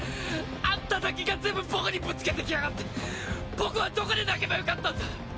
あんただけが全部僕にぶつけてきやがって僕はどこで泣けばよかったんだ